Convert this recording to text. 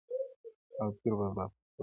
او پیر بابا پخپله -